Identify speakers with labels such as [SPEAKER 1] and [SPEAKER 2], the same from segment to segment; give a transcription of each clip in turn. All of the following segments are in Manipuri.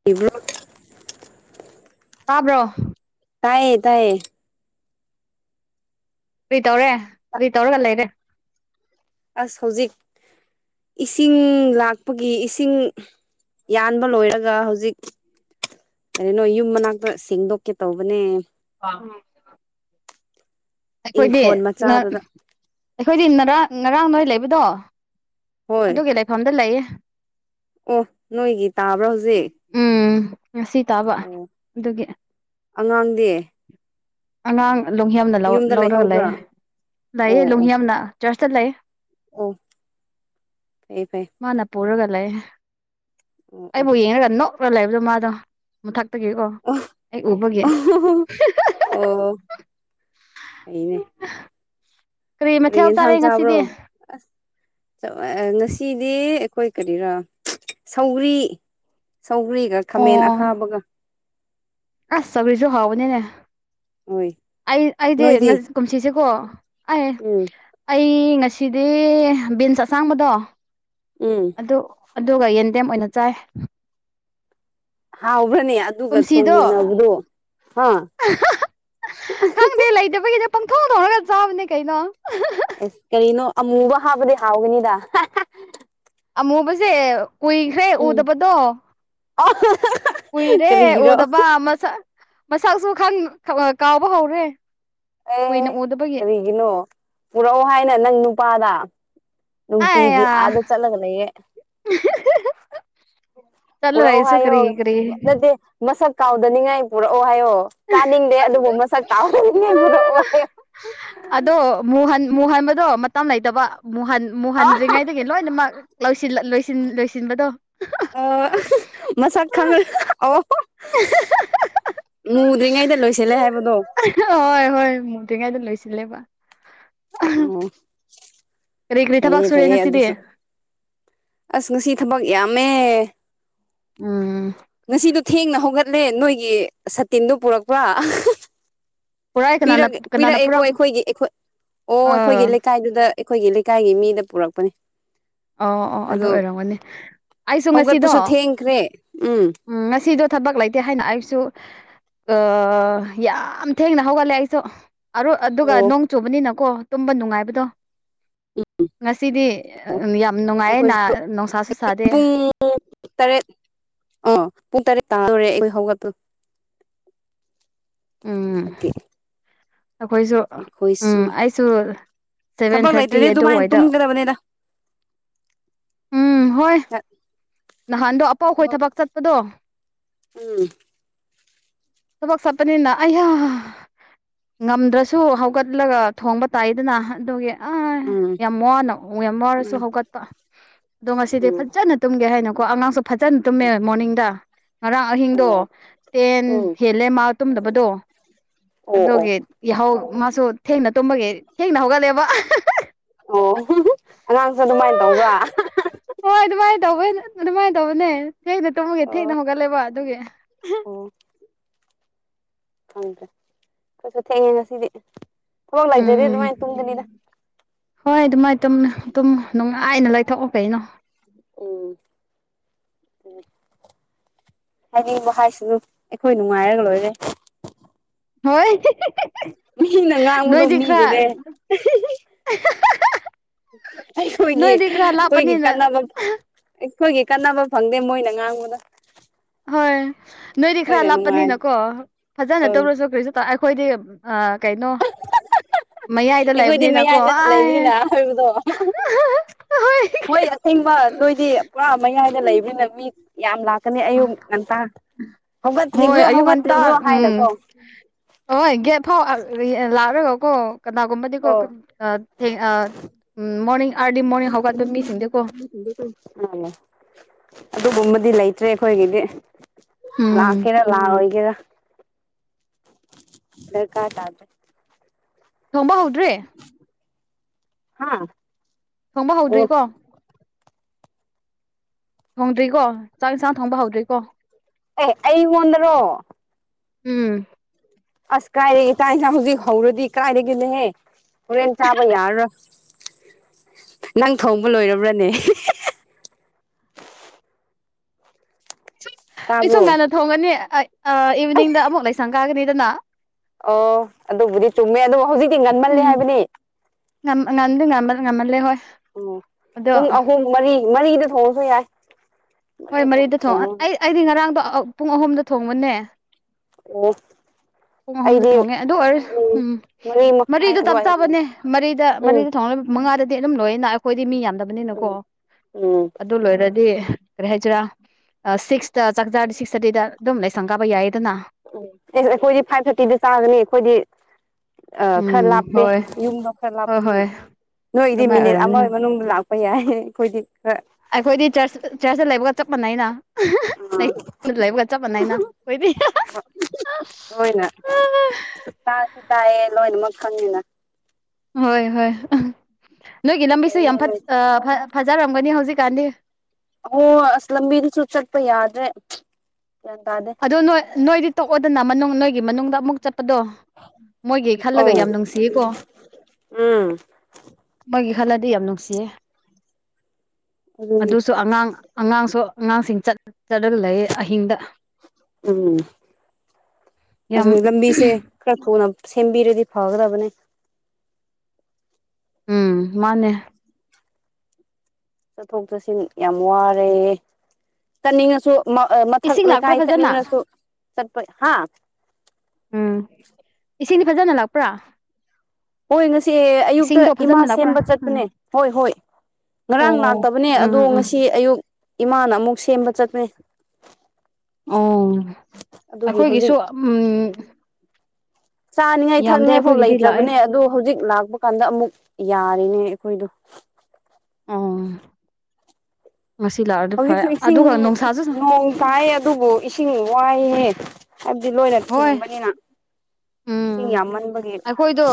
[SPEAKER 1] [unintelligible]
[SPEAKER 2] ꯇꯥꯕ꯭ꯔꯣ
[SPEAKER 1] ꯇꯥꯏꯌꯦ ꯇꯥꯏꯌꯦ
[SPEAKER 2] ꯀ꯭ꯔꯤ ꯇꯧꯔꯦ ꯀꯔꯤ ꯇꯧꯔꯒ ꯂꯩꯔꯦ
[SPEAKER 1] ꯑꯁ ꯍꯧꯖꯤꯛ ꯏꯁꯤꯡ ꯂꯥꯛꯄꯒꯤ ꯏꯁꯤꯡ ꯌꯥꯟꯕ ꯂꯣꯏꯔꯒ ꯍꯧꯖꯤꯛ ꯀꯔꯤꯅꯣ ꯌꯨꯝ ꯃꯅꯥꯛꯇ ꯁꯦꯡꯗꯣꯛꯀꯦ ꯇꯧꯕꯅꯦ
[SPEAKER 2] [unintelligible] ꯑꯩꯈꯣꯏꯗꯤ
[SPEAKER 1] ꯏꯪꯈꯣꯜ
[SPEAKER 2] ꯅ
[SPEAKER 1] ꯃꯆꯥꯗꯨꯗ
[SPEAKER 2] ꯑꯩꯈꯣꯏꯗꯤ ꯅꯔꯥꯡ ꯉꯔꯥꯡ ꯅꯣꯏ ꯂꯩꯕꯗꯣ
[SPEAKER 1] ꯍꯣꯏ
[SPEAKER 2] ꯑꯗꯨꯒꯤ ꯂꯩꯐꯝꯗ ꯂꯩꯌꯦ
[SPEAKER 1] ꯑꯣ ꯅꯣꯏꯒꯤ ꯇꯥꯕ꯭ꯔꯥ ꯍꯧꯖꯤꯛ
[SPEAKER 2] ꯎꯝ ꯉꯁꯤ ꯇꯥꯕ
[SPEAKER 1] ꯑꯣ
[SPEAKER 2] ꯑꯗꯨꯒꯤ
[SPEAKER 1] ꯑꯉꯥꯡꯗꯤ
[SPEAKER 2] ꯑꯉꯥꯡ ꯑ ꯂꯣꯡꯍꯤꯌꯝꯅ ꯂꯧ
[SPEAKER 1] ꯌꯨꯝꯗ
[SPEAKER 2] ꯂꯧꯔꯒ
[SPEAKER 1] ꯂꯩꯍꯧꯕ꯭ꯔꯥ
[SPEAKER 2] ꯂꯩꯌꯦ ꯂꯩꯌꯦ
[SPEAKER 1] ꯑꯣ ꯑꯣ
[SPEAKER 2] ꯂꯨꯡꯍꯤꯌꯝꯅ ꯆꯔꯁꯇ ꯂꯩ
[SPEAKER 1] ꯑꯣ ꯐꯩꯌꯦ ꯐꯩ
[SPEAKER 2] ꯃꯥꯅ ꯄꯨꯔꯒ ꯂꯩ
[SPEAKER 1] ꯑꯣ ꯑꯣ
[SPEAKER 2] ꯑꯩꯕꯨ ꯌꯦꯡꯔꯒ ꯅꯣꯛ [unintelligible] ꯂꯩꯕꯗꯣ ꯃꯥꯗꯣ ꯃꯊꯛꯇꯒꯤꯀꯣ
[SPEAKER 1] ꯑꯣ
[SPEAKER 2] ꯑꯩ ꯎꯕꯒꯤ
[SPEAKER 1] ꯑꯣ ꯑꯣ ꯐꯩꯅꯦ
[SPEAKER 2] [unintelligible]
[SPEAKER 1] ꯀꯔꯤ
[SPEAKER 2] ꯃꯊꯦꯜ ꯆꯥꯔꯦ
[SPEAKER 1] ꯌꯦꯟꯁꯥꯡ ꯆꯥꯕ꯭ꯔꯣ
[SPEAKER 2] ꯉꯁꯤꯗꯤ
[SPEAKER 1] ꯑꯁ ꯆꯛꯋ ꯑ ꯉꯁꯤꯗꯤ ꯑꯩꯈꯣꯏ ꯀꯔꯤꯔ ꯁꯧꯒ꯭ꯔꯤ ꯁꯧꯒ꯭ꯔꯤꯒ ꯈꯥꯃꯦꯟ
[SPEAKER 2] ꯑꯣ
[SPEAKER 1] ꯑꯈꯥꯕꯒ
[SPEAKER 2] ꯑꯁ ꯁꯧꯒ꯭ꯔꯤꯁꯨ ꯍꯥꯎꯕꯅꯤꯅꯦ
[SPEAKER 1] ꯍꯣꯏ
[SPEAKER 2] ꯑꯩ ꯑꯩꯗꯤ
[SPEAKER 1] ꯅꯣꯏꯗꯤ
[SPEAKER 2] ꯉꯥ ꯀꯨꯝꯁꯤꯁꯦꯀꯣ ꯑꯦ
[SPEAKER 1] ꯎꯝ
[SPEAKER 2] ꯑꯩ ꯉꯁꯤꯗꯤ ꯕꯤꯟꯁ ꯑꯁꯥꯡꯕꯗꯣ
[SPEAKER 1] ꯎꯝ
[SPEAKER 2] ꯑꯗꯨ ꯑꯗꯨꯒ ꯌꯦꯟꯗꯦꯝ ꯑꯣꯏꯅ ꯆꯥꯏ
[SPEAKER 1] ꯍꯥꯎꯕ꯭ꯔꯅꯦ ꯑꯗ
[SPEAKER 2] ꯀꯨꯝꯁꯤꯗꯣ ꯈꯪꯗꯦ ꯂꯩꯇꯕꯒꯤꯗ ꯄꯪꯊꯣꯡ ꯊꯣꯡꯔꯒ ꯆꯥꯕꯅꯦ ꯀꯩꯅꯣ
[SPEAKER 1] ꯑꯦ ꯀꯔꯤꯅꯣ ꯑꯃꯨꯕ ꯍꯥꯞꯕꯗꯤ ꯍꯥꯎꯒꯅꯤꯗ
[SPEAKER 2] ꯑꯃꯨꯕꯁꯦ ꯀꯨꯏꯈ꯭ꯔꯦ
[SPEAKER 1] ꯎꯝ
[SPEAKER 2] ꯎꯗꯕꯗꯣ
[SPEAKER 1] [unintelligible]
[SPEAKER 2] ꯀꯨꯏꯔꯦ
[SPEAKER 1] ꯀꯔꯤꯒꯤꯔꯣ
[SPEAKER 2] ꯎꯗꯕ ꯃꯁꯛ ꯃꯁꯛꯁꯨ ꯈꯪ ꯈꯧ ꯑ ꯀꯥꯎꯕ ꯍꯧꯔꯦ ꯀꯨꯏꯅ ꯎꯗꯕꯒꯤ
[SPEAKER 1] ꯒꯤꯅꯣ ꯄꯨꯔꯛꯑꯣ ꯍꯥꯏꯅ ꯅꯪ ꯅꯨꯄꯥꯗ ꯅꯨꯡꯇꯤꯒꯤ
[SPEAKER 2] ꯑꯌꯥ
[SPEAKER 1] ꯑꯥꯗ ꯆꯠꯂꯒ ꯂꯩꯌꯦ
[SPEAKER 2] ꯆꯠꯂ
[SPEAKER 1] ꯄꯨꯔꯛꯑꯣ
[SPEAKER 2] ꯂꯩꯔꯁꯨ
[SPEAKER 1] ꯍꯥꯏꯌ‌ꯣ
[SPEAKER 2] ꯀꯔꯤ ꯀꯔꯤ
[SPEAKER 1] ꯅꯠꯗ‌ꯦ ꯃꯁꯛ ꯀꯥꯎꯗꯅꯤꯡꯉꯥꯏ ꯄꯨꯔꯛꯑꯣ ꯍꯥꯏꯌꯣ ꯆꯥꯅꯤꯡꯗꯦ ꯑꯗꯨꯕꯨ ꯃꯁꯛ ꯀꯥꯎꯗꯅꯤꯡꯉꯥꯏ ꯄꯨꯔꯛꯑꯣ ꯍꯥꯏꯌꯣ
[SPEAKER 2] ꯑꯗꯣ ꯃꯨꯍꯟ ꯃꯨꯍꯟꯕꯗꯣ ꯃꯇꯝ ꯂꯩꯇꯕ ꯃꯨꯍꯟ ꯃꯨꯍꯟꯗ꯭ꯔꯤ ꯉꯩꯗꯒꯤ ꯂꯣꯏꯅꯃꯛ ꯂꯣꯏꯁꯤꯟꯂ ꯂꯣꯏꯁꯤꯟ ꯂꯣꯏꯁꯤꯟꯕꯗꯣ
[SPEAKER 1] ꯑꯣ ꯑꯍꯥ ꯃꯁꯛ ꯈꯡꯉ ꯑꯣ ꯍꯣ ꯃꯨꯗ꯭ꯔꯤꯉꯩꯗ ꯂꯣꯏꯁꯤꯜꯂꯦ ꯍꯥꯏꯕꯗꯣ
[SPEAKER 2] ꯍꯣꯏ ꯍꯣꯏ ꯃꯨꯗ꯭ꯔꯤꯉꯩꯗ ꯂꯣꯏꯁꯤꯂ‌ꯦꯕ
[SPEAKER 1] [unintelligible]
[SPEAKER 2] ꯀꯔꯤ ꯀꯔꯤ ꯊꯕꯛ
[SPEAKER 1] ꯐꯩꯌꯦ
[SPEAKER 2] ꯁꯨꯔꯦ
[SPEAKER 1] ꯐꯩꯌꯦ
[SPEAKER 2] ꯉꯁꯤꯗꯤ
[SPEAKER 1] ꯑꯗꯨꯁꯨ ꯑꯁ ꯉꯁꯤ ꯊꯕꯛ ꯌꯥꯝꯃꯦ
[SPEAKER 2] ꯎꯝ
[SPEAKER 1] ꯉꯁꯤꯗꯣ ꯊꯦꯡꯅ ꯍꯧꯒꯠꯂꯦ ꯅꯣꯏꯒꯤ ꯁꯇꯤꯟꯗꯨ ꯄꯨꯔꯛꯄ
[SPEAKER 2] ꯄꯨꯔꯥꯏ ꯀꯅꯥꯅ
[SPEAKER 1] ꯄꯤꯔꯛꯑꯦ
[SPEAKER 2] ꯀꯅꯥꯅ
[SPEAKER 1] ꯄꯤꯔꯛꯑꯦꯀꯣ
[SPEAKER 2] ꯄꯨꯔꯛ
[SPEAKER 1] ꯑꯩꯈꯣꯢꯒꯤ ꯑꯩꯈꯣꯏꯒꯤꯈꯣꯏ ꯑꯣ
[SPEAKER 2] ꯑ
[SPEAKER 1] ꯑꯩꯈꯣꯏꯒꯤ ꯂꯩꯀꯥꯏꯗꯨꯗ ꯑꯩꯈꯣꯏꯒꯤ ꯂꯩꯀꯥꯏꯒꯤ ꯃꯤꯗ ꯄꯨꯔꯛꯄꯅꯦ꯫
[SPEAKER 2] ꯑꯣ ꯑꯣ ꯑꯗꯨ
[SPEAKER 1] ꯑꯗꯣ
[SPEAKER 2] ꯑꯣꯏꯔꯝꯒꯅꯤ ꯑꯩꯁꯨ
[SPEAKER 1] ꯍꯧꯒꯠꯄꯁꯨ
[SPEAKER 2] ꯉꯁꯤꯗꯣ
[SPEAKER 1] ꯊꯦꯡꯈ꯭ꯔꯦ
[SPEAKER 2] ꯎꯝ ꯉꯁꯤꯗꯣ ꯊꯕꯛ ꯂꯩꯇꯦ ꯍꯥꯏꯅ ꯑꯩꯁꯨ ꯑ ꯌꯥꯝ ꯊꯦꯡꯡꯅ ꯍꯧꯒꯠꯂꯦ ꯑꯩꯥ‌ꯁꯨ ꯑꯔꯣ ꯑꯗꯨꯒ
[SPEAKER 1] ꯑꯣ
[SPEAKER 2] ꯅꯣꯡ ꯆꯨꯕꯅꯤꯅꯀꯣ ꯇꯨꯝꯕ ꯅꯨꯡꯉꯥꯏꯕꯗꯣ
[SPEAKER 1] ꯎꯝ
[SPEAKER 2] ꯉꯁꯤꯗꯤ ꯑꯥ ꯌꯥꯝ ꯅꯨꯡꯉꯥꯏꯌꯦꯅ
[SPEAKER 1] ꯑꯩꯈꯣꯏꯁꯨ
[SPEAKER 2] ꯅꯨꯡꯁꯥꯁꯨ ꯁꯥꯗꯦ
[SPEAKER 1] ꯄꯨꯡ ꯇꯔꯦꯠ ꯑ ꯄꯨꯡ ꯇꯔꯦꯠ ꯇꯥꯔꯗꯧꯔꯦ ꯑꯩꯈꯣꯢ ꯍꯧꯒꯠ
[SPEAKER 2] [inaudible]
[SPEAKER 1] [unintelligible]
[SPEAKER 2] ꯑꯩꯈꯣꯏꯁꯨ ꯎꯝ
[SPEAKER 1] ꯑꯩꯈꯣꯏꯁꯨ
[SPEAKER 2] ꯑꯩꯁꯨ ꯁꯚꯦꯟ
[SPEAKER 1] ꯊꯕꯛ
[SPEAKER 2] ꯊꯥꯔꯇꯤ
[SPEAKER 1] ꯂꯩꯇ꯭ꯔꯗꯤ ꯑꯗꯨꯃꯥꯏꯅ
[SPEAKER 2] ꯑꯗꯨꯋꯥꯏꯗ
[SPEAKER 1] ꯇꯨꯝꯒꯗꯕꯅꯤꯗ
[SPEAKER 2] ꯎꯝ ꯍꯣꯏ ꯅꯍꯥꯟꯗꯣ ꯑꯄꯥꯎ ꯈꯣꯏ ꯊꯕꯛ ꯆꯠꯄꯗꯣ
[SPEAKER 1] ꯎꯝ
[SPEAKER 2] ꯊꯕꯛ ꯆꯠꯄꯅꯤꯅꯥ ꯑꯌꯥ ꯉꯝꯗ꯭ꯔꯁꯨ ꯍꯧꯒꯠꯂꯒ ꯊꯣꯡꯕ ꯇꯥꯏꯗꯅ ꯑꯗꯨꯒꯤ ꯑ
[SPEAKER 1] ꯎꯝ
[SPEAKER 2] ꯌꯥꯝ ꯋꯥꯅ ꯋꯥꯔꯁꯨ
[SPEAKER 1] ꯃꯥꯅꯤ
[SPEAKER 2] ꯍꯧꯒꯠꯄ ꯑꯗꯣ ꯉꯁꯤꯗꯤ
[SPEAKER 1] ꯎꯝ
[SPEAKER 2] ꯐꯖꯅ ꯇꯨꯝꯒꯦ ꯍꯥꯏꯅ ꯀꯣ ꯑꯉꯥꯡꯁꯨ ꯐꯖꯅ ꯇꯨꯝꯃꯦ
[SPEAKER 1] ꯎꯝ
[SPEAKER 2] ꯃꯣꯔꯅꯤꯡꯗ ꯉꯔꯥꯡ ꯑꯍꯤꯡꯗꯣ
[SPEAKER 1] ꯑꯣ
[SPEAKER 2] ꯇꯦꯟ
[SPEAKER 1] ꯎꯝ
[SPEAKER 2] ꯍꯦꯜꯂꯦ ꯃꯥ ꯇꯨꯝꯗꯕꯗꯣ
[SPEAKER 1] ꯑꯣ ꯑꯣ
[SPEAKER 2] ꯑꯗꯨꯒꯤ ꯌꯥꯍꯧ ꯃꯥꯁꯨ ꯊꯦꯡꯅ ꯇꯨꯝꯕꯒꯤ ꯊꯦꯡꯅ ꯍꯧꯒꯠꯂꯦꯕ
[SPEAKER 1] ꯑꯣ ꯑꯉꯥꯡꯁꯨ ꯑꯗꯨꯃꯥꯏꯅ ꯇꯧꯕ꯭ꯔꯥ
[SPEAKER 2] ꯍꯣꯏ ꯑꯗꯨꯃꯥꯏꯅ ꯇꯧꯕ ꯑꯗꯨꯃꯥꯏꯅ ꯇꯧꯕꯅꯦ ꯊꯦꯡꯅ ꯇꯨꯝꯃꯒꯦ
[SPEAKER 1] ꯑꯣ
[SPEAKER 2] ꯊꯦꯡꯅ ꯍꯧꯒꯠꯂꯦꯕ ꯑꯗꯨꯒꯤ
[SPEAKER 1] ꯑꯣ ꯈꯪꯗ꯭ꯔꯦ ꯑꯩꯁꯨ ꯊꯦꯡꯉꯦ ꯉꯁꯤꯗꯤ ꯊꯕꯥꯛ ꯂꯩꯇ꯭ꯔꯗꯤ
[SPEAKER 2] ꯎꯝ
[SPEAKER 1] ꯑꯗꯨꯃꯥꯏꯅ ꯇꯨꯝꯕꯅꯤꯗ
[SPEAKER 2] ꯍꯣꯏ ꯑꯗꯨꯃꯥꯏ ꯇꯨꯝ ꯇꯨꯝ ꯅꯨꯡꯉꯥꯏꯅ ꯂꯩꯊꯣꯛꯑꯣ ꯀꯩꯅꯣ
[SPEAKER 1] ꯑꯣ ꯍꯥꯏꯅꯤꯡꯕ ꯍꯥꯏꯁꯅꯨ ꯑꯩꯈꯣꯏ ꯅꯨꯡꯉꯥꯏꯔꯒ ꯂꯣꯏꯔꯦ
[SPEAKER 2] ꯍꯣꯏ
[SPEAKER 1] ꯃꯤꯅ ꯉꯥꯡꯕꯗꯣ
[SPEAKER 2] ꯅꯣꯏꯗꯤ
[SPEAKER 1] ꯃꯤꯅꯥꯅꯦ
[SPEAKER 2] ꯈꯔ [unintelligible]
[SPEAKER 1] ꯑꯩꯈꯣꯏꯒꯤ
[SPEAKER 2] ꯅꯣꯏꯗꯤ ꯈꯔ
[SPEAKER 1] ꯑꯩꯈꯣꯏꯒꯤ
[SPEAKER 2] ꯂꯥꯞꯄꯅꯤꯅ
[SPEAKER 1] ꯀꯥꯟꯅꯕ ꯑꯩꯈꯣꯏꯒꯤ ꯀꯥꯟꯅꯕ ꯐꯪꯗꯦ ꯃꯣꯏꯅ ꯉꯥꯡꯕꯗꯣ
[SPEAKER 2] ꯍꯣꯏ ꯅꯣꯏꯗꯤ ꯈꯔ
[SPEAKER 1] ꯅꯨꯡꯉꯥꯏꯅ
[SPEAKER 2] ꯂꯥꯞꯄꯅꯤꯅꯀꯣ ꯐꯖꯅ
[SPEAKER 1] ꯑꯧ
[SPEAKER 2] ꯇꯧꯔꯁꯨ ꯀꯔꯤꯁꯨ ꯑꯩꯈꯣꯏꯗꯤ ꯀꯩꯅꯣ ꯃꯌꯥꯏꯗ
[SPEAKER 1] ꯑꯩꯈꯣꯏꯗꯤ
[SPEAKER 2] ꯂꯩꯕꯅꯤꯅꯀꯣ
[SPEAKER 1] ꯃꯌꯥꯏꯗ
[SPEAKER 2] ꯑꯥꯏ
[SPEAKER 1] ꯂꯩꯕꯅꯤꯅ ꯍꯥꯏꯕꯗꯣ
[SPEAKER 2] ꯑꯍꯣꯏ
[SPEAKER 1] ꯍꯣꯏ ꯑꯁꯦꯡꯕ ꯅꯣꯏꯗꯤ ꯄꯨꯔꯥ ꯃꯌꯥꯏꯗ ꯂꯩꯕꯅꯤꯅ ꯃꯤ ꯌꯥꯝ ꯂꯥꯛꯀꯅꯤ ꯑꯌꯨꯛ ꯉꯟꯇꯥ
[SPEAKER 2] ꯍꯣꯏ
[SPEAKER 1] ꯍꯧꯒꯠꯇ꯭ꯔꯤꯕ꯭ꯔꯣ
[SPEAKER 2] ꯑꯌꯨꯛ
[SPEAKER 1] ꯍꯧꯒꯠꯇ꯭ꯔꯤꯕ꯭ꯔꯣ
[SPEAKER 2] ꯉꯟꯇꯥ ꯎꯝ
[SPEAKER 1] ꯍꯥꯏꯅꯀꯣ
[SPEAKER 2] ꯍꯣꯏ ꯒꯦꯠ ꯐꯥꯎ ꯂꯥꯛꯔꯒꯀꯣ ꯀꯅꯥꯒꯨꯝꯕꯗꯤꯀꯣ
[SPEAKER 1] ꯑꯣ
[SPEAKER 2] ꯑꯥ ꯃꯣꯔꯅꯤꯡ ꯑꯥꯔꯂꯤ ꯃꯣꯔꯅꯤꯡ ꯍꯧꯒꯠꯄ ꯃꯤꯁꯤꯡꯗꯤꯀꯣ
[SPEAKER 1] ꯑꯗꯨꯒꯨꯝꯕꯗꯤ ꯂꯩꯇ꯭ꯔꯦ ꯑꯩꯈꯣꯏꯒꯤꯗꯤ
[SPEAKER 2] ꯎꯝ
[SPEAKER 1] ꯂꯥꯛꯀꯦꯔ ꯂꯥꯛꯑꯣꯏꯒꯦꯔ ꯗꯒꯥꯔ ꯇꯥꯗꯦ
[SPEAKER 2] ꯊꯣꯡꯕ ꯍꯧꯗ꯭ꯔꯤ
[SPEAKER 1] ꯍꯥ
[SPEAKER 2] ꯔꯣꯡꯕ
[SPEAKER 1] ꯑꯣ
[SPEAKER 2] ꯍꯧꯗ꯭ꯔꯤꯀꯣ ꯊꯣꯡꯗ꯭ꯔꯤꯀꯣ ꯆꯥꯛ ꯏꯟꯁꯥꯡ ꯊꯣꯡꯕ ꯍꯧꯗ꯭ꯔꯤꯀꯣ
[SPEAKER 1] ꯑꯦ ꯑꯩꯉꯣꯟꯗꯔꯣ
[SPEAKER 2] ꯎꯝ
[SPEAKER 1] ꯑꯁ ꯀꯥꯏꯗꯒꯤ ꯆꯥꯛ ꯏꯟꯁꯥꯡ ꯍꯧꯖꯤꯛ ꯍꯧꯔꯗꯤ ꯀꯔꯥꯏꯗꯒꯤꯅꯦꯍꯦ ꯍꯣꯔꯦꯟ ꯆꯥꯕ ꯌꯥꯔꯔꯣꯏ ꯅꯪ ꯊꯣꯡꯕ ꯂꯣꯏꯔꯕ꯭ꯔꯅꯦ
[SPEAKER 2] ꯑꯩꯁꯨ
[SPEAKER 1] ꯇꯥꯕ꯭ꯔꯣ
[SPEAKER 2] ꯉꯟꯅ ꯊꯣꯡꯒꯅꯤ ꯑꯥꯏ ꯑ ꯏꯚꯤꯅꯤꯡꯗ ꯑꯃꯨꯛ ꯂꯥꯏꯁꯪ ꯀꯥꯒꯅꯤꯗꯅ
[SPEAKER 1] ꯑꯣ ꯑꯗꯨꯕꯨꯗꯤ ꯆꯨꯝꯃꯦ ꯑꯗꯨꯕꯨ ꯍꯧꯖꯤꯛꯇꯤ ꯉꯟꯃꯜꯂꯦ
[SPEAKER 2] ꯎꯝ
[SPEAKER 1] ꯍꯥꯏꯕꯅꯤ
[SPEAKER 2] ꯉꯝ ꯑ ꯉꯟꯗꯤ ꯉꯝꯃ ꯉꯝꯃꯜꯂꯦ ꯍꯣꯏ
[SPEAKER 1] ꯑꯣ
[SPEAKER 2] ꯑꯗꯣ
[SPEAKER 1] ꯄꯨꯡ ꯑꯍꯨꯝ ꯃꯔꯤ ꯃꯔꯤꯗ ꯊꯣꯡꯉꯁꯨ ꯌꯥꯏ
[SPEAKER 2] ꯍꯣꯏ
[SPEAKER 1] ꯃꯔꯤ
[SPEAKER 2] ꯃꯔꯤꯗ ꯊꯣꯡ
[SPEAKER 1] ꯊꯣꯡꯉꯒ
[SPEAKER 2] ꯑꯩ ꯑꯩꯗꯤ ꯉꯔꯥꯡꯗꯣ ꯑ ꯄꯨꯡ ꯑꯍꯨꯝꯗ ꯊꯣꯡꯕꯅꯦ
[SPEAKER 1] ꯑꯣ
[SPEAKER 2] ꯄꯨꯡ ꯑꯍꯨꯝꯗ
[SPEAKER 1] ꯑꯩꯗꯤ
[SPEAKER 2] ꯊꯣꯡꯉꯦ ꯑꯗꯨ ꯑꯣꯏꯔ ꯎꯝ
[SPEAKER 1] ꯃꯔꯤ ꯃꯈꯥꯏ
[SPEAKER 2] ꯃꯔꯤꯗ ꯆꯞ
[SPEAKER 1] ꯑꯗꯨꯋꯥꯏꯗ
[SPEAKER 2] ꯆꯥꯕꯅꯦ
[SPEAKER 1] ꯊꯣꯡꯉꯦ
[SPEAKER 2] ꯃꯔꯤꯗ
[SPEAKER 1] ꯎꯝ
[SPEAKER 2] ꯃꯔꯤꯗ ꯊꯣꯡꯂ ꯃꯉꯥꯗꯗꯤ ꯑꯗꯨꯝ ꯂꯣꯏꯅ ꯑꯩꯈꯣꯏꯗꯤ ꯃꯤ ꯌꯥꯝꯗꯕꯅꯤꯅꯀꯣ
[SPEAKER 1] ꯎꯝ ꯎꯝ
[SPEAKER 2] ꯑꯗꯨ ꯂꯣꯏꯔꯗꯤ ꯀꯔꯤ ꯍꯥꯏꯁꯤꯔꯥ ꯑ ꯁꯤꯛꯁꯇ ꯆꯥꯛꯆꯥꯔꯗꯤ ꯁꯤꯛꯁ ꯊꯔꯇꯗ ꯑꯗꯨꯝ ꯂꯥꯏꯁꯪ ꯀꯥꯕ ꯌꯥꯏꯌꯦꯗꯅ
[SPEAKER 1] ꯎꯝ ꯏꯁ ꯑꯩꯈꯣꯏꯗꯤ ꯐꯥꯏꯚ ꯊꯥꯔꯇꯤꯗ ꯆꯥꯒꯅꯤ ꯑꯩꯈꯣꯏꯗꯤ ꯑ ꯈꯔ
[SPEAKER 2] ꯎꯝ
[SPEAKER 1] ꯂꯥꯞꯄꯦ
[SPEAKER 2] ꯍꯣꯏ
[SPEAKER 1] ꯌꯨꯝꯗꯣ ꯈꯔ
[SPEAKER 2] ꯍꯣꯏ
[SPEAKER 1] ꯂꯥꯞꯄꯅꯤꯅ
[SPEAKER 2] ꯍꯣꯏ
[SPEAKER 1] ꯅꯣꯏꯗꯤ
[SPEAKER 2] ꯑꯗꯨꯃꯥꯏ
[SPEAKER 1] ꯃꯤꯅꯤꯠ
[SPEAKER 2] ꯑꯣꯏꯔꯝꯅꯤ
[SPEAKER 1] ꯑꯃꯒꯤ ꯃꯅꯨꯡꯗ ꯂꯥꯛ ꯄ ꯌꯥꯏꯌꯦ ꯑꯩꯈꯣꯏꯗꯤ ꯈꯔ
[SPEAKER 2] ꯑꯩꯈꯣꯏꯗꯤ ꯆꯔꯆ ꯆꯔꯆꯇ ꯂꯩꯕꯒ ꯆꯞ ꯃꯥꯟꯅꯩꯅ [unintelligible] ꯂꯩꯕꯒ ꯆꯞ ꯃꯥꯟꯅꯩꯅ ꯈꯣꯏꯗꯤ
[SPEAKER 1] ꯂꯣꯏꯅ ꯇꯥꯁꯨ ꯇꯥꯏꯌꯦ ꯂꯣꯏꯅꯃꯛ ꯈꯪꯉꯤꯅ
[SPEAKER 2] ꯍꯣꯏ ꯍꯣꯏ ꯑꯍ ꯅꯣꯏꯒꯤ ꯂꯝꯕꯤꯁꯨ
[SPEAKER 1] ꯐꯩꯅꯦ
[SPEAKER 2] ꯌꯥꯝ ꯐꯠ
[SPEAKER 1] ꯅꯣꯏꯗꯤ
[SPEAKER 2] ꯑꯥ ꯐ ꯐꯖꯔꯝꯒꯅꯤ ꯍꯧꯖꯤꯛꯀꯥꯟꯗꯤ
[SPEAKER 1] ꯍꯣ ꯑꯁ ꯂꯝꯕꯤꯗꯨꯁꯨ ꯆꯠꯄ ꯌꯥꯗ꯭ꯔꯦ ꯒ꯭ꯌꯥꯟ ꯇꯥꯗꯦ
[SPEAKER 2] ꯑꯗꯨ ꯅꯣꯏ ꯅꯣꯏꯗꯤ ꯇꯣꯛꯑꯣꯗꯅ ꯃꯅꯨꯡ ꯅꯣꯏꯒꯤ ꯃꯅꯨꯡꯗ ꯑꯃꯨꯛ ꯆꯠꯄꯗꯣ ꯃꯣꯏꯒꯤ ꯈꯜꯂꯒ
[SPEAKER 1] ꯑꯧ
[SPEAKER 2] ꯌꯥꯝ ꯅꯨꯡꯁꯤꯌꯦꯀꯣ
[SPEAKER 1] ꯎꯝ
[SPEAKER 2] ꯃꯥꯒꯤ ꯈꯜꯂꯗꯤ ꯌꯥꯝ ꯅꯨꯡꯁꯤꯌꯦ
[SPEAKER 1] ꯑꯗꯨꯅꯦ
[SPEAKER 2] ꯑꯗꯨꯁꯨ ꯑꯉꯥꯡ ꯑꯉꯥꯡꯁꯨ ꯑꯉꯥꯡꯁꯤꯡ ꯆꯠ ꯆꯠꯔꯒ ꯂꯩꯌꯦ ꯑꯍꯤꯡꯗ
[SPEAKER 1] ꯎꯝ
[SPEAKER 2] ꯌꯥꯝ
[SPEAKER 1] ꯑꯗꯨꯗ ꯂꯝꯕꯤꯁꯦ ꯈꯔ ꯊꯨꯅ ꯁꯦꯝꯕꯤꯔꯗꯤ ꯐꯒꯗꯕꯅꯦ
[SPEAKER 2] ꯎꯝ ꯃꯥꯅꯦ
[SPEAKER 1] ꯆꯠꯊꯣꯛ ꯆꯠꯁꯤꯟ ꯌꯥꯝ ꯋꯥꯔꯦ ꯆꯠꯅꯤꯡꯉꯁꯨ ꯃ ꯑ ꯃꯊꯛ
[SPEAKER 2] ꯏꯁꯤꯡ ꯂꯥꯛꯄ꯭ꯔꯥ
[SPEAKER 1] ꯂꯩꯀꯥꯏ
[SPEAKER 2] ꯐꯖꯅ
[SPEAKER 1] ꯆꯠꯅꯤꯡꯔꯁꯨ ꯆꯠꯄ ꯍꯥ
[SPEAKER 2] ꯎꯝ ꯏꯁꯤꯡꯗꯤ ꯐꯖꯅ ꯂꯥꯛꯄ꯭ꯔꯥ
[SPEAKER 1] ꯍꯣꯏ ꯉꯁꯤ ꯑꯌꯨꯛꯇ
[SPEAKER 2] ꯏꯁꯤꯡꯗꯣ
[SPEAKER 1] ꯏꯃꯥ
[SPEAKER 2] ꯐꯖꯅ ꯂꯥꯛꯄ꯭ꯔꯥ
[SPEAKER 1] ꯁꯦꯝꯕ
[SPEAKER 2] ꯎꯝ
[SPEAKER 1] ꯆꯠꯄꯅꯦ ꯍꯣꯏ ꯍꯣꯏ ꯉꯔꯥꯡ
[SPEAKER 2] ꯑꯣ
[SPEAKER 1] ꯂꯥꯛꯇꯕꯅꯦ
[SPEAKER 2] ꯎꯝ
[SPEAKER 1] ꯑꯗꯣ
[SPEAKER 2] ꯎꯝ ꯎꯝ
[SPEAKER 1] ꯉꯁꯤ ꯑꯌꯨꯛ ꯏꯃꯥꯅ ꯑꯃꯨꯛ ꯁꯦꯝꯕ ꯆꯠꯄꯅꯦ
[SPEAKER 2] ꯑꯣ
[SPEAKER 1] ꯑꯗꯨꯒꯤ
[SPEAKER 2] ꯑꯩꯈꯣꯏꯒꯤꯁꯨ
[SPEAKER 1] ꯍꯧꯖꯤꯛ
[SPEAKER 2] ꯎꯝ
[SPEAKER 1] ꯆꯥꯅꯤꯡꯉꯥꯏ
[SPEAKER 2] ꯌꯥꯝꯗꯦ
[SPEAKER 1] ꯊꯛꯅꯤꯡꯉꯥꯏ ꯐꯥꯎ
[SPEAKER 2] ꯑꯩꯈꯣꯏꯒꯤꯗꯤ ꯂꯥꯛꯑꯦ
[SPEAKER 1] ꯂꯩꯇ꯭ꯔꯕꯅꯦ ꯑꯗꯣ ꯍꯧꯖꯤꯛ ꯂꯥꯛꯄ ꯀꯥꯟꯗ ꯑꯃꯨꯛ ꯌꯥꯔꯤꯅꯦ ꯑꯩꯈꯣꯏꯗꯣ
[SPEAKER 2] ꯑꯥ ꯉꯁꯤ ꯂꯥꯛꯑ
[SPEAKER 1] ꯍꯧꯖꯤꯛꯁꯨ ꯏꯁꯤꯡ ꯅꯣꯡ ꯇꯥꯏ ꯑꯗꯨꯕꯨ ꯏꯁ ꯁꯤꯡ ꯋꯥꯏꯍꯦ ꯍꯥꯏꯕꯗꯤ ꯂꯣꯏꯅ
[SPEAKER 2] ꯍꯣꯏ
[SPEAKER 1] ꯊꯤꯡꯕꯅꯤꯅ ꯏꯁꯤꯡ
[SPEAKER 2] ꯎꯝ
[SPEAKER 1] ꯌꯥꯝꯃꯟꯕ
[SPEAKER 2] ꯑꯩꯈꯣꯏꯗꯣ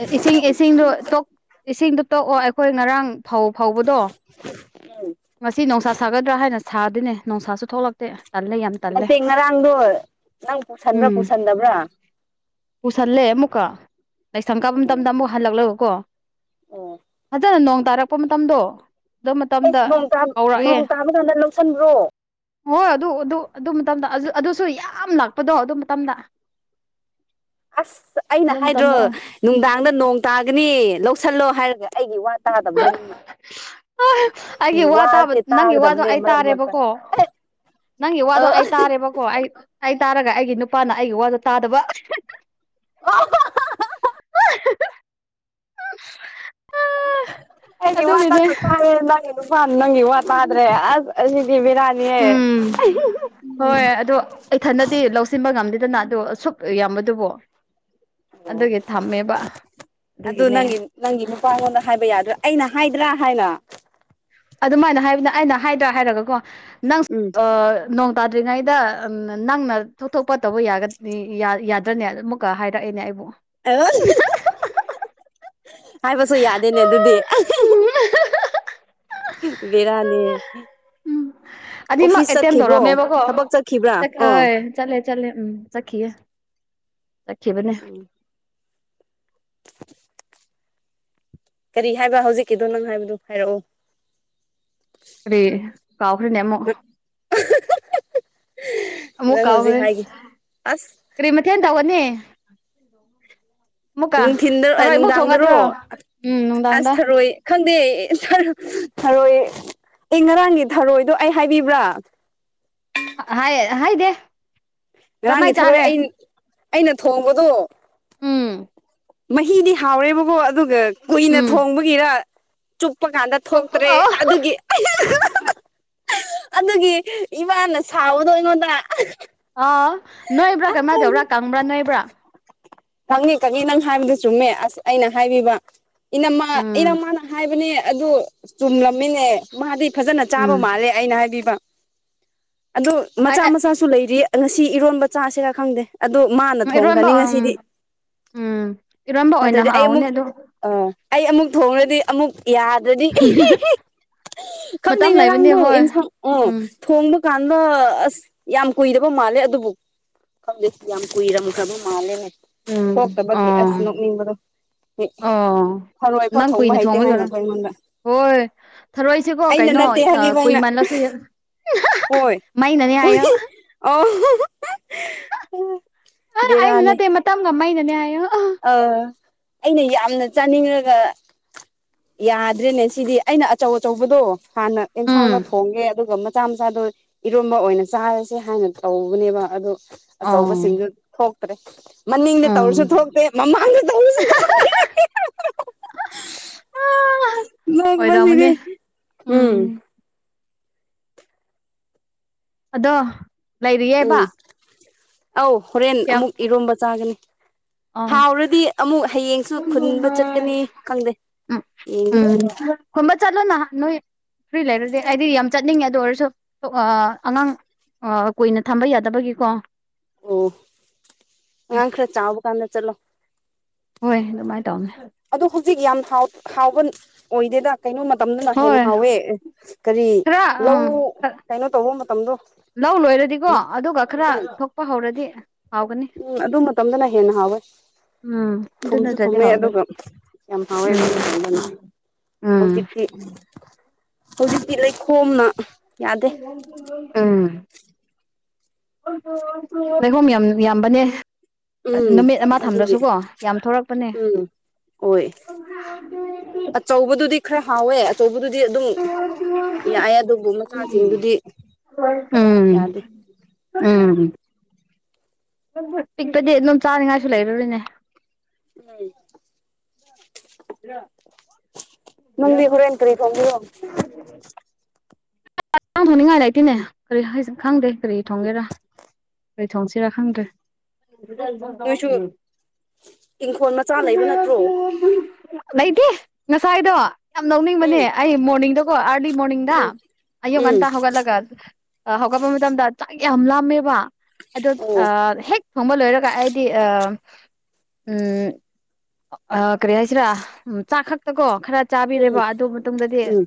[SPEAKER 2] ꯑꯦ ꯏꯁꯤꯡ ꯏꯁꯤꯡꯗꯣ ꯇꯣꯛ ꯏꯁꯤꯡꯗꯨ ꯇꯣꯛꯑꯣ ꯑꯩꯈꯣꯏ ꯉꯔꯥꯡ ꯐꯧ ꯐꯧꯕꯗꯣ
[SPEAKER 1] [unintelligible]
[SPEAKER 2] ꯉꯁꯤ ꯅꯣꯡꯁꯥ ꯁꯥꯒꯗ꯭ꯔꯥ ꯍꯥꯏꯅ ꯁꯥꯗꯦꯅꯦ ꯅꯣꯡꯁꯥꯁꯨ ꯊꯣꯛꯂꯛꯇꯦ ꯇꯜꯂꯦ ꯌꯥꯝ ꯇꯜꯂꯦ
[SPEAKER 1] ꯅꯠꯇꯦ ꯉꯔꯥꯡꯗꯣ ꯅꯪ ꯄꯨꯁꯟꯕ꯭ꯔꯥ
[SPEAKER 2] ꯎꯝ
[SPEAKER 1] ꯄꯨꯁꯟꯗꯕ꯭ꯔꯥ
[SPEAKER 2] ꯄꯨꯁꯜꯂꯦ ꯑꯃꯨꯛꯀ ꯂꯥꯏꯁꯪ ꯀꯥꯕ
[SPEAKER 1] ꯎꯝ
[SPEAKER 2] ꯃꯇꯝꯗ ꯑꯃꯨꯛ ꯍꯜꯂꯛꯂꯕꯀꯣ
[SPEAKER 1] [inaudible]
[SPEAKER 2] ꯐꯖꯅ ꯅꯣꯡ ꯇꯥꯔꯛꯄ ꯃꯇꯝꯗꯣ ꯑꯗꯨ ꯃꯇꯝꯗ
[SPEAKER 1] ꯑꯩꯁ ꯅꯣꯡ ꯇꯥꯕ
[SPEAKER 2] ꯀꯧꯔꯛꯑꯦ
[SPEAKER 1] ꯅꯣꯡ ꯇꯥꯕ ꯀꯥꯟꯗ ꯂꯧꯁꯤꯟꯕ꯭ꯔꯣ
[SPEAKER 2] ꯍꯣꯏ ꯑꯗꯨ ꯑꯗꯨ ꯑꯗꯨ ꯃꯇꯝꯗ ꯑꯗꯨ ꯑꯗꯨꯁꯨ ꯌꯥꯝ ꯂꯥꯛꯄꯗꯣ ꯑꯗꯨ ꯃꯇꯝꯗ
[SPEAKER 1] ꯑꯁ ꯑꯩꯅ
[SPEAKER 2] ꯑꯗꯨ
[SPEAKER 1] ꯍꯥꯏꯗ꯭ꯔꯣ
[SPEAKER 2] ꯃꯇꯝꯗ ꯑꯣꯏꯅ
[SPEAKER 1] ꯅꯨꯡꯗꯥꯡꯗ ꯅꯣꯡ ꯇꯥꯒꯅꯤ ꯂꯧꯁꯜꯂꯣ ꯍꯥꯏꯔꯒ ꯑꯩꯒꯤ ꯋꯥ ꯇꯥꯗꯕꯗꯣ ꯅꯪꯅ
[SPEAKER 2] ꯑꯩꯒꯤ
[SPEAKER 1] ꯑꯩ
[SPEAKER 2] ꯋꯥ ꯇꯥꯕ
[SPEAKER 1] ꯋꯥꯁꯦ
[SPEAKER 2] ꯅꯪꯒꯤ ꯋꯥꯗꯣ
[SPEAKER 1] ꯇꯥꯒꯗꯕꯅꯦ
[SPEAKER 2] ꯑꯩ
[SPEAKER 1] ꯃꯔꯛ ꯃꯔꯛꯇ
[SPEAKER 2] ꯇꯥꯔꯦꯕꯀꯣ ꯅꯪꯒꯤ
[SPEAKER 1] ꯑ
[SPEAKER 2] ꯋꯥꯗꯣ ꯑꯩ ꯇꯥꯔꯦꯕꯀꯣ ꯑꯩ ꯑꯩ ꯇꯥꯔꯒ ꯑꯩꯒꯤ ꯅꯨꯄꯥꯅ ꯑꯩꯒꯤ ꯋꯥꯗꫭ ꯇꯥꯗꯕ
[SPEAKER 1] [unintelligible]
[SPEAKER 2] [unintelligible] [inaudible]
[SPEAKER 1] ꯑꯩꯒꯤ ꯋꯥ
[SPEAKER 2] ꯑꯗꯨꯒꯤꯅꯦ
[SPEAKER 1] ꯅꯪꯅ ꯇꯥꯏꯌꯦ ꯅꯪꯒꯤ ꯅꯨꯄꯥꯥ ꯅꯪꯒꯤ ꯋꯥ ꯇꯥꯗ꯭ꯔꯦ ꯑꯁ ꯑꯁꯤꯗꯤ ꯕꯤꯔꯥꯅꯤꯍꯦ
[SPEAKER 2] ꯎꯝ ꯍꯣꯏ ꯑꯗꯣ ꯑꯩꯊꯟꯗꯗꯤ ꯂꯧꯁꯤꯟꯕ ꯉꯝꯗꯦꯗꯅ ꯑꯗꯣ ꯁꯨꯛ ꯌꯥꯝꯕꯗꯨꯕꯣ
[SPEAKER 1] ꯑꯣ ꯑꯗꯨ
[SPEAKER 2] ꯑꯗꯨꯒꯤꯅꯦ
[SPEAKER 1] ꯅꯪꯒꯤ ꯅꯪꯒꯤ ꯅꯨꯄꯥꯉꯣꯟꯗ ꯍꯥꯏꯕ ꯌꯥꯗ꯭ꯔꯥ ꯑꯩꯅ ꯍꯥꯏꯗ꯭ꯔꯥ ꯍꯥꯏꯅ
[SPEAKER 2] ꯑꯗꯨꯃꯥꯏꯅ ꯍꯥꯏꯕꯅꯦ ꯑꯩꯅ ꯍꯥꯏꯗ꯭ꯔꯥ ꯍꯥꯏꯔꯒꯀꯣ ꯅꯪ
[SPEAKER 1] ꯎꯝ
[SPEAKER 2] ꯑ ꯅꯣꯡ ꯇꯥꯗ꯭ꯔꯤꯉꯩꯗ ꯅꯪꯅ ꯊꯣꯛ ꯊꯣꯛꯄ ꯇꯧꯕ ꯌꯥꯒ ꯌꯥꯗ꯭ꯔꯅꯦ ꯀ ꯍꯥꯏꯔꯛꯑꯦꯅꯦ ꯑꯩꯕꯨ
[SPEAKER 1] ꯍꯥꯏꯕꯁꯨ ꯌꯥꯗꯦꯅꯦ ꯑꯗꯨꯗꯤ ꯕꯤꯔꯅꯤꯍꯦ
[SPEAKER 2] ꯎꯝ ꯑꯅꯤꯃꯛ
[SPEAKER 1] ꯑꯣꯐꯤꯁ
[SPEAKER 2] ꯑꯦꯇꯦꯝ
[SPEAKER 1] ꯆꯠꯈꯤꯕ꯭ꯔꯣ ꯊꯕꯛ ꯆꯠꯈꯤꯕ꯭ꯔꯥ ꯑꯣ
[SPEAKER 2] ꯆꯂꯦ ꯆꯂꯦ ꯎꯝ ꯆꯠꯈꯤꯌꯦ ꯆꯠꯈꯤꯕꯅꯦ
[SPEAKER 1] [inaudible] ꯀꯔꯤ ꯍꯥꯏꯕ ꯍꯧꯖꯤꯛꯀꯤꯗꯣ ꯅꯪ ꯍꯥꯏꯕꯗꯨ ꯍꯥꯏꯔꯛꯑꯣ
[SPEAKER 2] ꯀꯔꯤ ꯀꯥꯎꯈ꯭ꯔꯦꯅꯦ ꯑꯃꯨꯛ ꯑꯃꯨꯛ
[SPEAKER 1] ꯅꯪ ꯍꯧꯖꯤꯛ
[SPEAKER 2] ꯀꯥꯎꯈ꯭ꯔꯦ
[SPEAKER 1] ꯍꯥꯏꯒꯦ ꯑꯁ
[SPEAKER 2] ꯀꯔꯤ ꯃꯊꯦꯜ ꯇꯧꯒꯅꯤ [inaudible]
[SPEAKER 1] ꯅꯨꯡꯊꯤꯟꯗ
[SPEAKER 2] ꯊꯔꯣꯏ ꯑꯃꯨꯛ
[SPEAKER 1] ꯅꯨꯡꯗꯥꯡꯗꯔꯣ
[SPEAKER 2] ꯊꯣꯡꯒꯗ꯭ꯔꯣ ꯎꯝ
[SPEAKER 1] ꯑꯁ
[SPEAKER 2] ꯅꯨꯡꯗꯥꯡꯗ
[SPEAKER 1] ꯊꯔꯣꯏ ꯈꯪꯗꯦ ꯑꯦ ꯊꯔꯣ ꯊꯔꯣꯏ ꯑꯦ ꯉꯔꯥꯡꯒꯤ ꯊꯔꯣꯏꯗꯣ ꯑꯩ ꯍꯥꯏꯕꯤꯕ꯭ꯔꯥ
[SPEAKER 2] ꯍꯥꯏ ꯍꯥꯏꯗꯦ
[SPEAKER 1] ꯉꯔꯥꯡꯒꯤ
[SPEAKER 2] ꯀꯔꯝꯍꯥꯏ
[SPEAKER 1] ꯊꯔꯣꯏ
[SPEAKER 2] ꯆꯥꯔꯦ
[SPEAKER 1] ꯑꯩ ꯑꯩꯅ ꯊꯣꯡꯕꯗꯣ
[SPEAKER 2] ꯎꯝ
[SPEAKER 1] ꯃꯍꯤꯗꯤ ꯍꯥꯎꯔꯦꯕꯀꯣ ꯑꯗꯨꯒ ꯀꯨꯏꯅ
[SPEAKER 2] ꯎꯝ
[SPEAKER 1] ꯊꯣꯡꯕꯒꯤꯔ ꯆꯨꯞꯄ ꯀꯥꯟꯗ
[SPEAKER 2] ꯊꯣꯛꯄ
[SPEAKER 1] ꯊꯣꯛꯇ꯭ꯔꯦ
[SPEAKER 2] ꯑꯣ
[SPEAKER 1] ꯑꯗꯨꯒꯤ ꯑꯗꯨꯒꯤ ꯏꯃꯥꯅ ꯁꯥꯎꯕꯗꯣ ꯑꯩꯉꯣꯟꯗ
[SPEAKER 2] ꯑꯥꯎ ꯅꯣꯏꯕ꯭ꯔꯥ ꯀꯩꯃꯥꯏ ꯇꯕ꯭ꯔꯥ ꯀꯪꯕ꯭ꯔꯥ ꯅꯣꯏꯕ꯭ꯔꯥ
[SPEAKER 1] ꯀꯪꯉꯤ ꯀꯪꯉꯤ ꯅꯪ ꯍꯥꯏꯕꯗꯨ ꯆꯨꯝꯃꯦ ꯑꯁ ꯑꯩꯅ ꯍꯥꯏꯕꯤꯕ ꯏꯅꯝꯃꯥ
[SPEAKER 2] ꯎꯝ
[SPEAKER 1] ꯏꯅꯝꯃꯥꯅ ꯍꯥꯏꯕꯅꯦ ꯑꯗꯨ ꯆꯨꯝꯂꯝꯃꯤꯅꯦ ꯃꯥꯗꯤ ꯐꯖꯅ ꯆꯥꯕ
[SPEAKER 2] ꯎꯝ
[SPEAKER 1] ꯃꯥꯜꯂꯦ꯫ ꯑꯩꯅ ꯍꯥꯏꯕꯤꯕ ꯑꯗꯨ ꯃꯆꯥ
[SPEAKER 2] ꯎꯝ
[SPEAKER 1] ꯃꯆꯥꯁꯨ ꯂꯩꯔꯤ [unintelligible] ꯁꯤ ꯏꯔꯣꯟꯕ ꯆꯥꯁꯤꯔ ꯈꯪꯗꯦ ꯑꯗꯣ ꯃꯥꯅ
[SPEAKER 2] ꯏꯔꯣꯟꯕ
[SPEAKER 1] ꯊꯣꯡꯈ꯭ꯔꯅꯤ
[SPEAKER 2] ꯎꯝ
[SPEAKER 1] ꯉꯁꯤꯗꯤ
[SPEAKER 2] ꯎꯝ ꯏꯔꯣꯟꯕ ꯑꯣꯏꯅ
[SPEAKER 1] ꯅꯠꯇ꯭ꯔꯗꯤ ꯑꯩ
[SPEAKER 2] ꯍꯥꯎꯅꯦ
[SPEAKER 1] ꯑꯃꯨꯛ
[SPEAKER 2] ꯑꯗꯨ
[SPEAKER 1] ꯑꯥ ꯑꯩ ꯑꯃꯨꯛ ꯊꯣꯡꯔꯗꯤ ꯑꯃꯨꯛ ꯌꯥꯗ꯭ꯔꯗꯤ [unintelligible] ꯈꯪꯗꯦ
[SPEAKER 2] ꯃꯇꯝ ꯂꯩꯕꯅꯤ
[SPEAKER 1] ꯉꯔꯥꯡꯗꯨ
[SPEAKER 2] ꯍꯣꯏ
[SPEAKER 1] ꯑꯦꯟꯁꯥꯡ ꯎꯝ ꯊꯣꯡꯕ ꯀꯥꯟꯗ ꯑꯁ ꯌꯥꯝ ꯀꯨꯏꯗꯕ ꯃꯥꯜꯂꯦ ꯑ ꯑꯗꯨꯕꯨ ꯈꯪꯗꯦ ꯌꯥꯝ ꯀꯨꯏꯔꯝꯈ꯭ꯔꯕ ꯃꯥꯜꯂꯦꯅꯦ
[SPEAKER 2] ꯎꯝ
[SPEAKER 1] ꯊꯣꯛꯇꯥꯕꯒꯤ
[SPEAKER 2] ꯑꯣ
[SPEAKER 1] ꯑꯁ ꯅꯣꯛꯅꯤꯡꯕꯗꯣ ꯍꯦꯛ
[SPEAKER 2] ꯑꯣ
[SPEAKER 1] ꯊꯔꯣꯏ ꯐꯥꯎ
[SPEAKER 2] ꯅꯪ ꯀꯨꯏꯅ
[SPEAKER 1] ꯊꯣꯡꯕ ꯍꯩꯇꯦ ꯍꯥꯏꯅ
[SPEAKER 2] ꯊꯣꯡꯕꯒꯤꯔ
[SPEAKER 1] ꯀꯣ ꯑꯩꯉꯣꯟꯗ
[SPEAKER 2] ꯍꯣꯏ ꯊꯥꯔꯣꯏꯁꯦꯀꯣ
[SPEAKER 1] ꯑꯩꯅ
[SPEAKER 2] ꯀꯩꯅꯣ
[SPEAKER 1] ꯅꯠꯇꯦ
[SPEAKER 2] ꯑꯥ
[SPEAKER 1] ꯍꯥꯏꯕꯤꯕ ꯑꯩꯅ
[SPEAKER 2] ꯀꯨꯏꯃꯜꯂꯁꯨ
[SPEAKER 1] ꯍꯣꯏ
[SPEAKER 2] ꯃꯩꯅꯅꯦ
[SPEAKER 1] ꯎꯏ
[SPEAKER 2] ꯍꯥꯏꯌꯣ
[SPEAKER 1] ꯑꯧ
[SPEAKER 2] ꯑꯩꯅ
[SPEAKER 1] ꯕꯦꯔꯥꯅꯦ
[SPEAKER 2] ꯅꯠꯇꯦ ꯃꯇꯝꯒ ꯃꯩꯅꯅꯦ ꯍꯥꯏꯌꯣ
[SPEAKER 1] ꯑꯥ ꯑꯩꯅ ꯌꯥꯝꯅ ꯆꯥꯅꯤꯡꯂꯒ ꯌꯥꯗ꯭ꯔꯦꯅꯦ ꯁꯤꯗꯤ ꯑꯩꯅ ꯑꯆꯧ ꯑꯆꯧꯕꯗꯣ ꯍꯥꯟꯅ
[SPEAKER 2] ꯎꯝ
[SPEAKER 1] ꯑꯦꯟꯁꯥꯡꯅ ꯊꯣꯡꯒꯦ ꯑꯗꯨꯒ ꯃꯆꯥ ꯃꯆꯥꯗꯣ ꯏꯔꯣꯝꯕ ꯑꯣꯏꯅ ꯆꯥꯔꯁꯦ ꯍꯥꯏꯅ ꯇꯧꯕꯅꯦꯕ ꯑꯗꯨ
[SPEAKER 2] ꯑꯣ
[SPEAKER 1] ꯑꯆꯧꯕꯁꯤꯡꯗꯨ ꯊꯣꯛꯇ꯭ꯔꯦ ꯃꯅꯤꯡꯗ
[SPEAKER 2] ꯎꯝ
[SPEAKER 1] ꯇꯧꯔꯁꯨ ꯊꯣꯛꯇꯦ ꯃꯃꯥꯡꯗ ꯇꯧꯕꯁꯨ ꯊꯣꯛꯇꯦ [unintelligible]
[SPEAKER 2] ꯑꯣꯏꯔꯝꯃꯅꯦ
[SPEAKER 1] ꯅꯣꯛꯄꯁꯤꯗꯤ ꯎꯝ
[SPEAKER 2] ꯑꯗꯣ ꯂꯩꯔꯤꯌꯦꯕ
[SPEAKER 1] ꯎꯝ ꯑꯧ ꯍꯣꯔꯦꯟ
[SPEAKER 2] ꯀꯌꯥꯝ
[SPEAKER 1] ꯑꯃꯨꯛ ꯏꯔꯣꯝꯕ ꯆꯥꯒꯅꯤ
[SPEAKER 2] ꯑ ꯎꯝ
[SPEAKER 1] ꯍꯥꯎꯔꯗꯤ ꯑꯃꯨꯛ ꯍꯌꯦꯡ ꯁꯨ ꯈꯨꯟꯕ ꯆꯠꯀꯅꯤ ꯈꯪꯗꯦ ꯌꯦꯡꯒꯦ
[SPEAKER 2] ꯈꯨꯟꯕ ꯆꯠꯂꯣꯅ ꯅꯣꯏ ꯐ꯭ꯔꯤ ꯂꯩꯔꯗꯤ ꯑꯩꯗꯤ ꯌꯥꯝ ꯆꯠꯅꯤꯡꯉꯦ ꯑꯗꯨ ꯑꯣꯏꯔꯁꯨ ꯑꯥ ꯑꯉꯥꯡ ꯑꯥ ꯀꯨꯏꯅ ꯊꯝꯕ ꯌꯥꯗꯕꯒꯤꯀꯣ
[SPEAKER 1] ꯑꯣ ꯑꯉꯥꯡ ꯈꯔꯥ ꯆꯥꯎꯕ ꯀꯥꯟꯗ ꯆꯠꯂꯣ
[SPEAKER 2] ꯍꯣꯏ ꯑꯗꯨꯃꯥꯏ ꯇꯧꯒꯦ
[SPEAKER 1] ꯑꯗꯣ ꯍꯧꯖꯤꯛ ꯌꯥꯝ ꯍꯥꯎ ꯍꯥꯎꯕ ꯑꯣꯏꯗꯦꯗ ꯀꯩꯅꯣ ꯇꯝꯗꯨꯅ ꯍꯦꯟꯅ
[SPEAKER 2] ꯍꯣꯏ
[SPEAKER 1] ꯍꯥꯎꯋꯦ ꯀꯔꯤ
[SPEAKER 2] ꯈꯔ
[SPEAKER 1] ꯂꯧ
[SPEAKER 2] ꯎꯝ
[SPEAKER 1] ꯀꯩꯅꯣ ꯇꯧꯕ ꯃꯇꯝꯗꯣ
[SPEAKER 2] ꯂꯧ ꯂꯣꯏꯔꯗꯤꯀꯣ ꯑꯗꯨꯒ ꯈꯔꯥ
[SPEAKER 1] ꯎꯝ
[SPEAKER 2] ꯊꯣꯛꯄ ꯍꯧꯔꯗꯤ ꯍꯥꯎꯒꯅꯤ
[SPEAKER 1] ꯎꯝ ꯑꯗꯨ ꯃꯇꯝꯗꯅ ꯍꯦꯟꯅ ꯍꯥꯎꯋꯦ
[SPEAKER 2] ꯎꯝ ꯑꯗꯨ
[SPEAKER 1] ꯊꯨꯝꯁꯨ
[SPEAKER 2] ꯅꯠꯇ꯭ꯔꯗꯤ
[SPEAKER 1] ꯊꯨꯝꯃꯦ
[SPEAKER 2] ꯍꯥꯎꯔꯣꯏ
[SPEAKER 1] ꯑꯗꯨꯒ ꯌꯥꯝ ꯍꯥꯎꯋꯦ
[SPEAKER 2] ꯎꯝ
[SPEAKER 1] [unintelligible]
[SPEAKER 2] ꯎꯝ
[SPEAKER 1] ꯍꯧꯖꯤꯛꯇꯤ ꯍꯧꯖꯤꯛꯇꯤ ꯂꯩꯈꯣꯝꯅ ꯌꯥꯗꯦ
[SPEAKER 2] ꯎꯝ ꯂꯩꯈꯣꯝ ꯌꯥꯝ ꯌꯥꯝꯕꯅꯦ
[SPEAKER 1] ꯎꯝ
[SPEAKER 2] ꯅꯨꯃꯤꯠ ꯑꯃ
[SPEAKER 1] ꯑꯗꯨꯒꯤ
[SPEAKER 2] ꯊꯝꯗ꯭ꯔꯥꯁꯨꯀꯣ ꯌꯥꯝ ꯊꯣꯔꯛꯄꯅꯦ
[SPEAKER 1] ꯑꯣꯏ ꯑꯆꯧꯕꯗꯨꯗꯤ ꯈꯔꯥ ꯍꯥꯎꯋꯦ ꯑꯆꯧꯕꯗꯨ ꯗꯤ ꯑꯗꯨꯝ ꯌꯥꯑꯦ ꯑꯗꯨꯕꯨ ꯃꯆꯥꯁꯤꯡꯗꯨꯗꯤ
[SPEAKER 2] ꯎꯝ
[SPEAKER 1] ꯌꯥꯗꯦ
[SPEAKER 2] ꯎꯝ ꯄꯤꯛꯄꯗꯤ ꯑꯗꯨꯝ ꯆꯥꯅꯤꯡꯉꯥꯏꯁꯨ ꯂꯩꯔꯥꯔꯣꯏꯅꯦ
[SPEAKER 1] ꯎꯝ ꯅꯪꯗꯤ ꯍꯣꯔꯦꯟ ꯀꯔꯤ ꯊꯣꯡꯗꯣꯢꯅꯣ
[SPEAKER 2] [unintelligible] ꯊꯣꯡꯅꯤꯡꯉꯥꯏ ꯂꯩꯇꯤꯅꯦ ꯀꯔꯤ ꯍꯥꯏꯁꯦ ꯈꯪꯗꯦ ꯀꯔꯤ ꯊꯣꯡꯒꯦꯔꯥ ꯀꯩ ꯊꯣꯡꯁꯤꯔꯥ ꯈꯪꯗ꯭ꯔꯦ [unintelligible]
[SPEAKER 1] ꯅꯣꯏꯁꯨ ꯏꯪꯈꯣꯜ ꯃꯆꯥ ꯂꯩꯕ ꯅꯠꯇ꯭ꯔꯣ
[SPEAKER 2] ꯂꯩꯇꯦ ꯉꯁꯥꯏꯗꯣ ꯌꯥꯝ
[SPEAKER 1] ꯎꯝ
[SPEAKER 2] ꯅꯣꯛꯅꯤꯡꯕꯅꯦ ꯑꯩ ꯃꯣꯔꯅꯤꯡꯗꯀꯣ ꯑꯥꯔꯂꯤ ꯃꯣꯔꯅꯤꯡꯗ
[SPEAKER 1] ꯎꯝ
[SPEAKER 2] ꯑꯌꯨꯛ
[SPEAKER 1] ꯎꯝ
[SPEAKER 2] ꯉꯟꯇꯥ ꯍꯧꯒꯠꯂꯒ ꯑꯥ ꯍꯧꯒꯠꯄ ꯃꯇꯝꯗ ꯆꯥꯛ ꯌꯥꯝ ꯂꯥꯝꯃꯦꯕ ꯑꯗꯣ
[SPEAKER 1] ꯑꯣ
[SPEAKER 2] ꯑꯥ ꯍꯦꯛ ꯊꯣꯡꯕ ꯂꯣꯏꯔꯒ ꯑꯩꯗꯤ ꯑꯥ ꯎꯝ ꯀꯔꯤ ꯍꯥꯏꯁꯤꯔꯥ ꯎꯝ ꯆꯥꯛ ꯈꯛꯇꯥꯀꯣ ꯈꯔꯥ
[SPEAKER 1] ꯎꯝ
[SPEAKER 2] ꯆꯥꯕꯤꯔꯦꯕ ꯑꯗꯨ ꯃꯇꯨꯡꯗꯗꯤ
[SPEAKER 1] ꯎꯝ